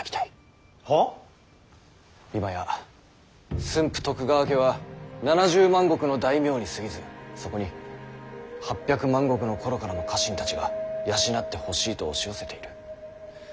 今や駿府徳川家は７０万石の大名にすぎずそこに８００万石の頃からの家臣たちが養ってほしいと押し寄せている。